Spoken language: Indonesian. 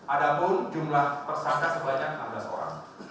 ada pun jumlah tersangka sebanyak enam belas orang